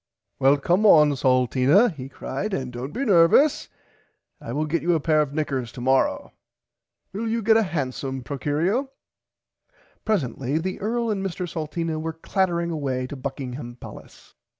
Well come on Salteena he cried and dont be nervus I will get you a pair of knickers tomorrow. Will you get a hansome Procurio. Presently the earl and Mr Salteena were clattering away to Buckingham palace.